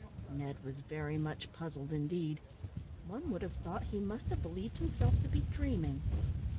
Ned was very much puzzled indeed. One would have thought he must have believed himself to be dreaming.